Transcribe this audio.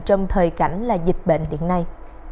trong thời cảnh là dịch bệnh hiện nay